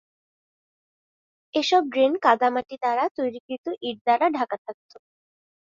এসব ড্রেন কাদা মাটি দ্বারা তৈরিকৃত ইট দ্বারা ঢাকা থাকতো।